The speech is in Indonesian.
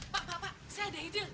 pak pak pak saya ada ide